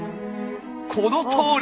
このとおり！